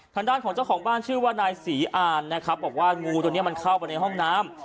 ทางด้านของเจ้าของบ้านชื่อว่านายศรีอ่านนะครับบอกว่างูตัวนี้มันเข้าไปในห้องน้ำ